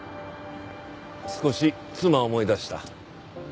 少し妻を思い出した。